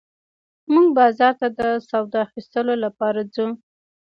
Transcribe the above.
موږ بازار ته د سودا اخيستلو لپاره ځو